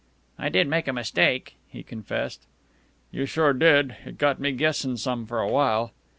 "I did make a mistake," he confessed. "You sure did. It got me guessin' some for a while."